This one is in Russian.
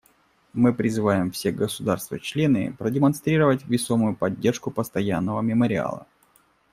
Мы призываем все государства-члены продемонстрировать весомую поддержку постоянного мемориала.